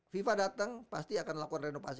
fifa datang pasti akan lakukan renovasi